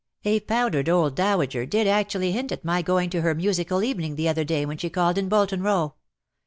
A powdered old dowager did actually hint at my going to her musical evening the other day when she called in Bolton Row.